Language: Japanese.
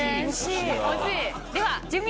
では。